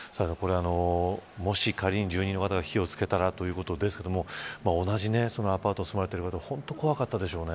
もし仮に、住人の方が火をつけたということでしたら同じアパートに住まれている方は本当に怖かったでしょうね。